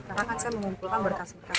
sekarang saya mengumpulkan berkas bapak